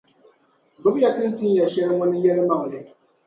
Gbibi ya ti ni tin ya shɛli ŋɔ ni yɛlimaŋli.